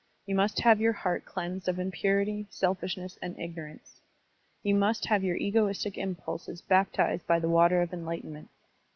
You must have your heart cleansed of impurity, selfishness, and ignorance. You must have your egoistic impulses baptized by the water ot enlightenment.